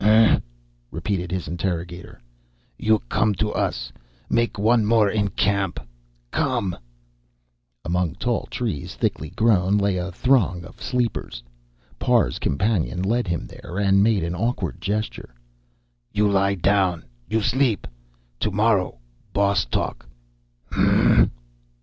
"Uh," repeated his interrogator. "You come to us. Make one more in camp. Come." Among tall trees, thickly grown, lay a throng of sleepers. Parr's companion led him there, and made an awkward gesture. "You lie down. You sleep. Tomorrow boss talk.